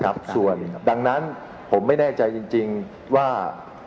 อ่ะครับส่วนดังนั้นผมไม่แน่ใจจริงว่า